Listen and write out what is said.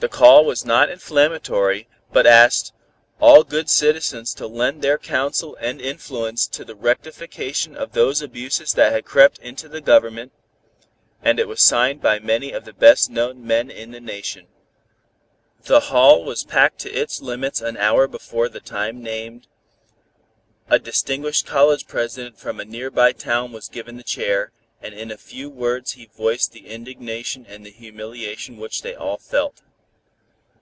The call was not inflammatory, but asked "all good citizens to lend their counsel and influence to the rectification of those abuses that had crept into the Government," and it was signed by many of the best known men in the Nation. The hall was packed to its limits an hour before the time named. A distinguished college president from a nearby town was given the chair, and in a few words he voiced the indignation and the humiliation which they all felt.